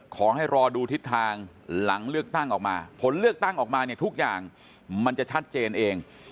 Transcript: ขอให้รอดูทิศทางหลังเลือกตั้งออกมาผลเลือกตั้งออกมาเนี่ยทุกอย่างมันจะชัดเจนเอง